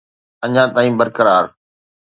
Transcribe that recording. اڃا تائين برقرار.